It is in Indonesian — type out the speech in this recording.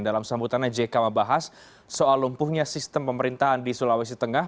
dalam sambutannya jk membahas soal lumpuhnya sistem pemerintahan di sulawesi tengah